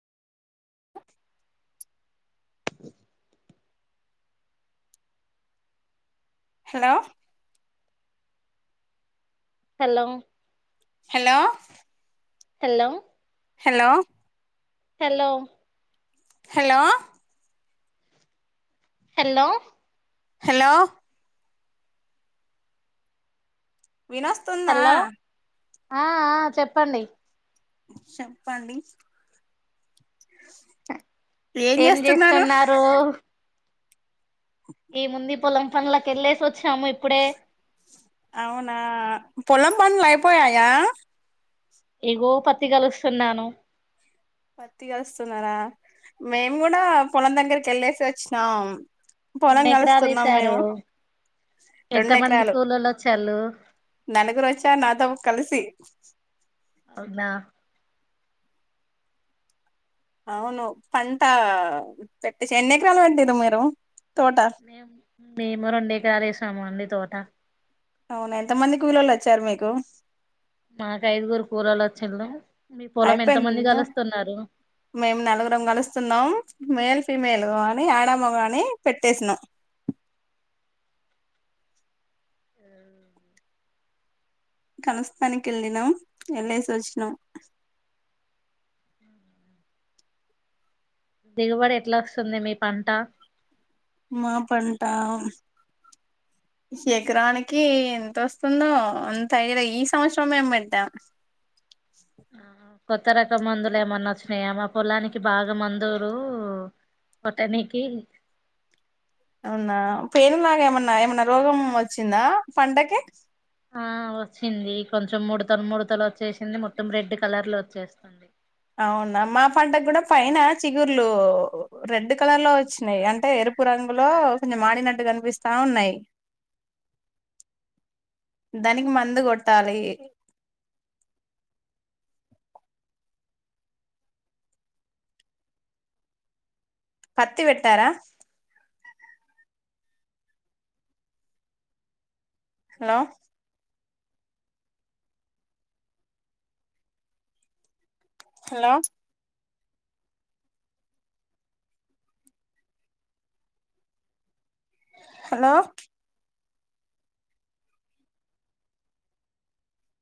hello hello hello hello hello hello hello hello hello వినస్తుందా hello ఆ ఆ చెప్పండి చెప్పండి ఏం చేస్తున్నారు ఈ ముందుీ పోల్ం పంగ్లక ఎల్ స అవునా పొలం పనులు అయిపోయాయా ఎగో పత్తి కలుస్తున్నాను పత్తిగా వస్తున్నారా మేము కూడా పొలం దగ్గరికి వెళ్ళేసి వచ్చినాం పొలం ఎన్ని ఎకరాలు కలుస్తున్నాం వేసారు మేము రెం ఎంత మంది ఎకరాలు కూలోళ్ళు వచ్చాళ్ళు నలుగురు వచ్చా నాతోబ కలిసి వ ంద అవును పంట పెట్టేసి ఎన్ని ఎకరాలు పట్టారు మీరు తోట మేము మేము రెండేకిరారేసాము అండి తోట అవునా ఎంత మంది కూలళ వచ్చారు మీకు మాకు ఐదుగురు కూలలు వచ్చినళ అయిపోయిందిందా మేము నలుగురం కలుస్తున్నాం మేల్ ఫీమేల్ కానీ ఆడమ్మ గాని పెట్టేసినాం కనస్తాని క వెళ్ళినం ఎలా సోచినం దిగుబడి ఎట్లా వస్తుంది మీ పంట మాపడింటా శిఖరానికి ఎంతొస్తుందో అంత అ ఈ సంవత్సరం మేము పెట్టాం ఆ కొత్త రక మందులు ఏమన్నా స్నేయామా పొలానికి బాగా మందులు మత్త నకి నా పేను లాగా ఏమన్నా ఏమన్నా రోగం వచ్చిందా పంటకి ఆ వచ్చింది కొంచెం మూడుతల మూడుతల వచ్చేసింది మొత్తం రెడ్ కలర్ లో వచ్చేస్తుంది అవునా మా పంటకు కూడా పైన చిగుర్లు రెడ్ కలర్ లో వచ్చినాయి అంటే ఎ తపు రంగులో కొంచెం మాడినట్టు కనిపిస్తా ఉన్నాయి దానికి మందు కొట్టాలి పత్ వెట్టారా హలో హలో హలో